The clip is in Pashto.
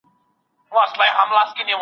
که ته هڅه وکړې نو هر څه موندلی سې.